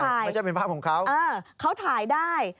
ไม่ใช่เป็นภาพของเขาเขาถ่ายได้